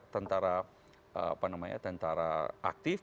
tentara apa namanya tentara aktif